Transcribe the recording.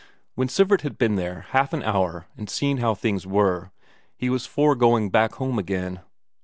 When Sivert had been there half an hour and seen how things were, he was for going back home again.